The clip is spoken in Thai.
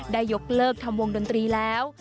ได้ยกเลิกทำวงดนตรีแล้ว